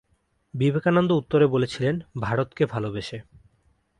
বিবেকানন্দ উত্তরে বলেছিলেন, "ভারতকে ভালবেসে"।